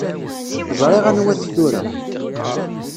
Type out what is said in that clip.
Ẓriɣ anwa-t tura.